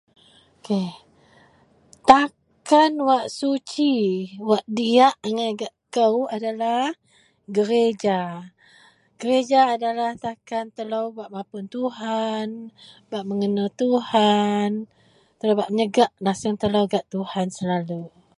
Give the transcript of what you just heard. k.. takan wak suci wak diak agai gak kou adalah gereja, gereja adalah takan telou bak mapun Tuhan, bak mengenal Tuhan, telo bak meyegak naseng telou gak Tuhan selalu